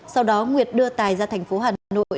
sau đó nguyệt đưa tài ra tp hà nội